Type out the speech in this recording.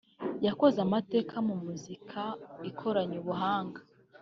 yakoze amateka muri muzika ikoranye ubuhanga